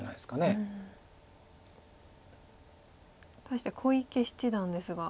対して小池七段ですが。